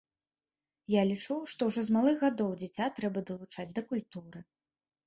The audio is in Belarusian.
Я лічу, што ўжо з малых гадоў дзіця трэба далучаць да культуры.